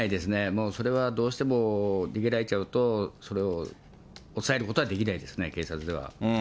もうそれは、どうしても、逃げられちゃうと、それをおさえることはできないですね、警察では。